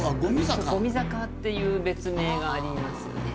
芥坂っていう別名がありますね。